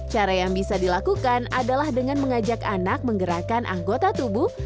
cara yang bisa dilakukan adalah dengan mengajak anak menggerakkan anggota tubuh